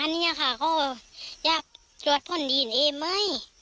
อันนี้ล่ะคราวอยากรับจวดพ้นดีนให้ไหม